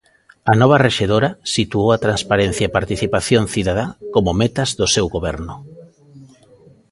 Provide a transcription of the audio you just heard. A nova rexedora situou a "transparencia e participación cidadá" como metas do seu goberno.